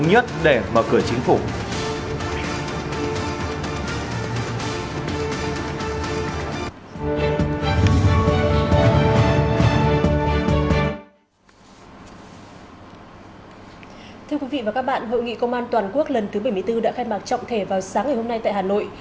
hội nghị công an toàn quốc lần thứ bảy mươi bốn đã khai mặt trọng thể vào sáng ngày hôm nay tại hà nội